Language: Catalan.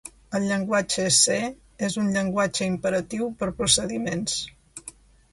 El llenguatge C és un llenguatge imperatiu per procediments.